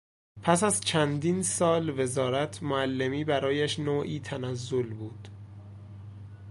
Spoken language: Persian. پس از چندین سال وزارت، معلمی برایش نوعی تنزل بود.